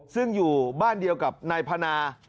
ซึ่งอยู่บ้านเดียวกับนายพนา